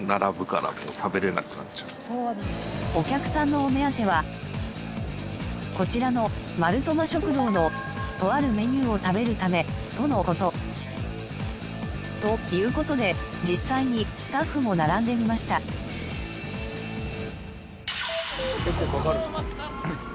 お客さんのお目当てはこちらのマルトマ食堂のとあるメニューを食べるためとの事。という事で実際に結構かかる。